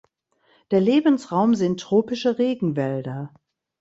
Der Lebensraum sind tropische Regenwälder.